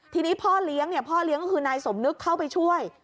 ทีนี้พ่อเลี้ยงพ่อเลี้ยงก็คือนายสมนึกเข้าไปช่วย